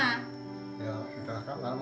ya sudah agak lama